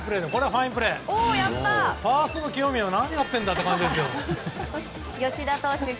ファーストの清宮は何やってるんだって感じですが。